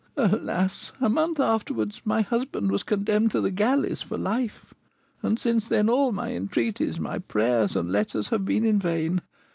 Alas! a month afterwards my husband was condemned to the galleys for life; and since then all my entreaties, my prayers, and letters have been in vain.